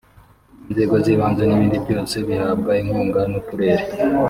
inzego z’ibanze n’ibindi byose bihabwa inkunga n’uturere